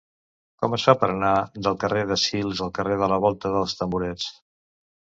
Com es fa per anar del carrer de Sils al carrer de la Volta dels Tamborets?